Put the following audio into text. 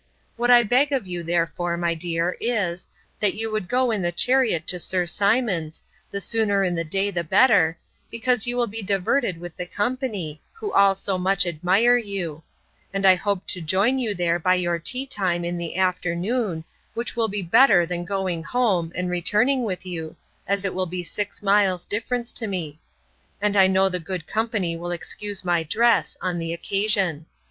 What I beg of you, therefore, my dear, is, that you would go in the chariot to Sir Simon's, the sooner in the day the better, because you will be diverted with the company, who all so much admire you; and I hope to join you there by your tea time in the afternoon, which will be better than going home, and returning with you, as it will be six miles difference to me; and I know the good company will excuse my dress, on the occasion.